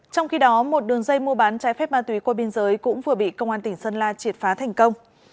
trong khi đó một đường dây mua bán trái phép ma túy qua biên giới cũng vừa bị công an tỉnh sơn la triệt phá thành công